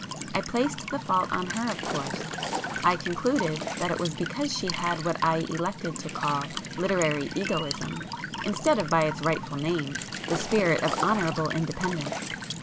I placed the fault on her of course; I concluded that it was because she had what I elected to call 'literary egoism,' instead of by its rightful name, the spirit of honourable independence.